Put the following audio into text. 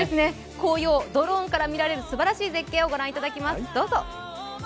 紅葉、ドローンから見られるすばらしい絶景をご覧いただきます。